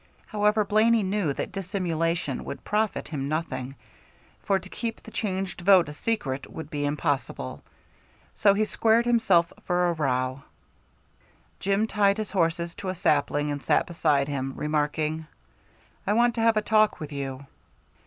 However, Blaney knew that dissimulation would profit him nothing, for to keep the changed vote a secret would be impossible; so he squared himself for a row. Jim tied his horses to a sapling and sat beside him, remarking, "I want to have a talk with you."